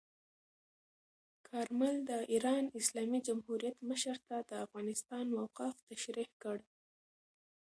کارمل د ایران اسلامي جمهوریت مشر ته د افغانستان موقف تشریح کړ.